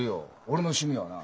俺の趣味はな